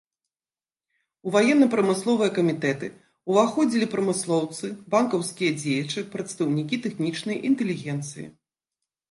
У ваенна-прамысловыя камітэты ўваходзілі прамыслоўцы, банкаўскія дзеячы, прадстаўнікі тэхнічнай інтэлігенцыі.